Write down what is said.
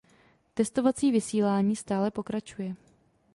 Testovací vysílání stále pokračuje.